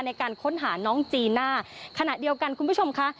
ในการค้นหาน้องจีน่าขณะเดียวกันคุณผู้ชมค่ะ